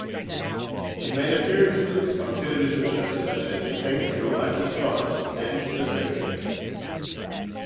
She made appearances on television shows such as "Thank Your Lucky Stars" and "Discotheque".